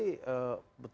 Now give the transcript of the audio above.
yang kedua seringkali begini